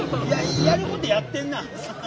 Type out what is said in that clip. やることやってんな。